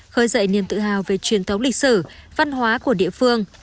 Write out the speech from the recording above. khơi dậy niềm tự hào về truyền thống lịch sử văn hóa của địa phương